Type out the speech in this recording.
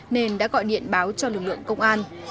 nên đã gọi điện báo cho lực lượng công an